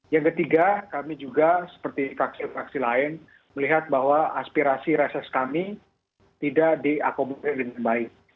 yang ketiga kami juga seperti fraksi fraksi lain melihat bahwa aspirasi reses kami tidak diakomodir dengan baik